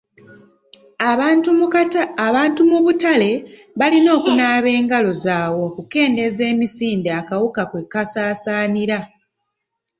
Abantu mu butale balina okunaaba engalo zaabwe okukendeeza emisinde akawuka kwe kasaasaanira.